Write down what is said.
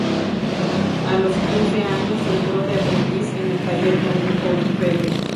A los quince años entró de aprendiz en el taller de un orfebre.